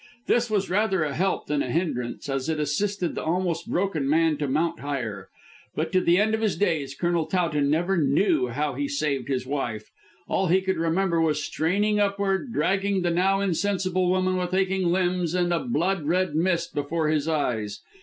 This was rather a help than a hindrance, as it assisted the almost broken man to mount higher. But to the end of his days Colonel Towton never knew how he saved his wife. All he could remember was straining upward, dragging the now insensible woman with aching limbs and a blood red mist before his eyes.